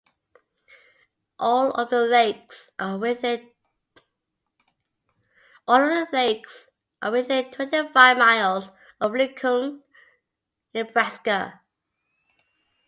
All of the lakes are within twenty-five miles of Lincoln, Nebraska.